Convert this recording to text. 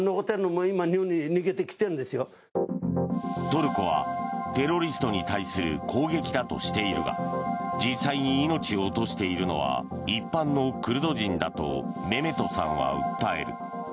トルコはテロリストに対する攻撃だとしているが実際に命を落としているのは一般のクルド人だとメメトさんは訴える。